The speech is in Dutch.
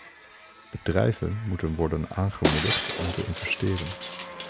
Bedrijven moeten worden aangemoedigd om te investeren!